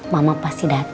mama pasti datang